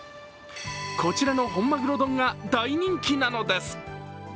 こちらの本マグロ丼が大人気なのです。